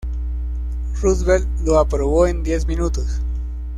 Roosevelt lo aprobó en diez minutos.